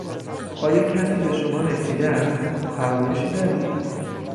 آیا کسی به شما رسیده است؟ فرمایشی دارید؟